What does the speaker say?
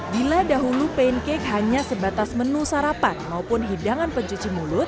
bila dahulu pancake hanya sebatas menu sarapan maupun hidangan pencuci mulut